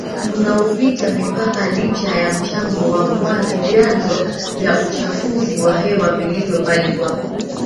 unaopita mipakaLicha ya mchango wa vyanzo vya uchafuzi wa hewa vilivyo mbali kwa